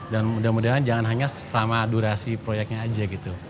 dan mudah mudahan jangan hanya selama durasi proyeknya aja gitu